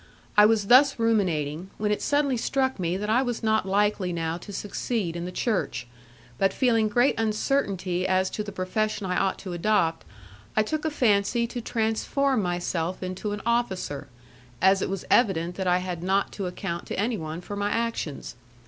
I was thus ruminating, when it suddenly struck me that I was not likely now to succeed in the Church, but feeling great uncertainty as to the profession I ought to adopt, I took a fancy to transform myself into an officer, as it was evident that I had not to account to anyone for my actions.